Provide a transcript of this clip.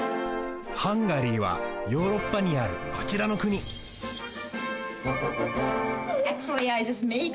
ハンガリーはヨーロッパにあるこちらのくに！